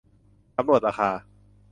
สำรวจราคา